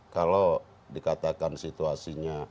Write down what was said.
kalau dikatakan situasinya